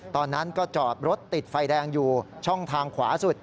ตอนนั้นก็จอดรถติดไฟแดงอยู่ช่องทางขวาสุด